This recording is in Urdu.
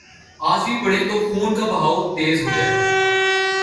آج بھی پڑھیں تو خون کا بہاؤ تیز ہو جائے۔